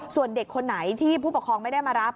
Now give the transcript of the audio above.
ส่วนเด็กคนไหนที่ผู้ปกครองไม่ได้มารับ